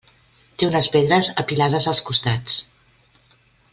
Té unes pedres apilades als costats.